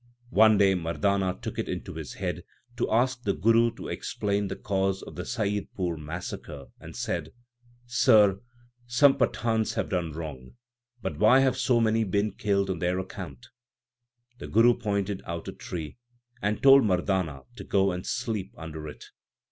2 One day Mardana took it into his head to ask the Guru to explain the cause of the Saiyidpur massacre, and said, Sir, some Pathans have done wrong ; but why have so many been killed on their account ? The Guru pointed out a tree, and told Mardana to go and sleep under it.